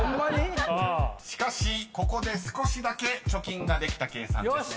［しかしここで少しだけ貯金ができた計算です］